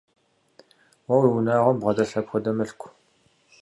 Уэ уи унагъуэм бгъэдэлъ апхуэдэ мылъку?